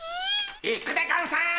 行くでゴンス！